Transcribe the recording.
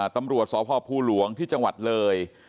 ตำรวจสพภูหลวงที่จังหวัดเลย